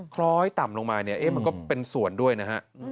คล้อยต่ำลงมาเนี่ยเอ๊ะมันก็เป็นส่วนด้วยนะฮะ